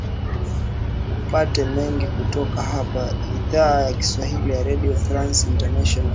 upate mengi kutoka hapa idhaa ya kiswahili ya redio france international